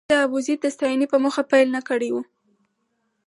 د ابوزید د ستاینې په موخه پيل نه کړی و.